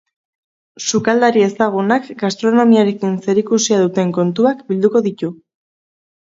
Sukaldari ezagunak gastronomiarekin zerikusia duten kontuak bilduko ditu.